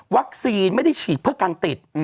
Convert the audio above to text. วัคซีนไม่ได้ฉีดเพื่อกันติด